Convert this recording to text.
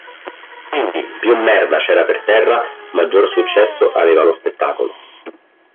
Quindi, più merda c'era per terra, maggior successo aveva lo spettacolo.